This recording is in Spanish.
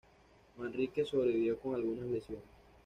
Manrique sobrevivió con algunas lesiones.